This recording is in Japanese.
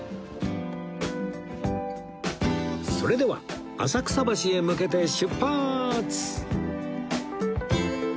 それでは浅草橋へ向けて出発！